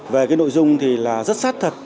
về cái nội dung thì là rất sát thật